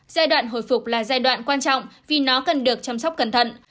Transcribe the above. giai đoạn hồi phục là giai đoạn quan trọng vì nó cần được chăm sóc cẩn thận